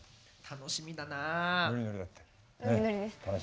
楽しみだよ！